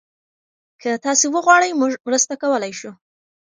که تاسي وغواړئ، موږ مرسته کولی شو.